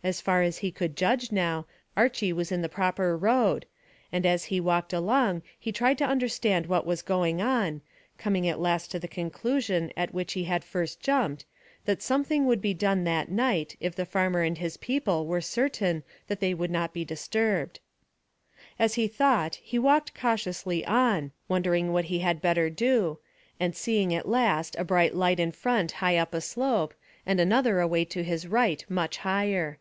As far as he could judge now, Archy was in the proper road, and as he walked along he tried to understand what was going on, coming at last to the conclusion at which he had at first jumped, that something would be done that night if the farmer and his people were certain that they would not be disturbed. As he thought he walked cautiously on, wondering what he had better do, and seeing at last a bright light in front high up a slope, and another away to his right much higher.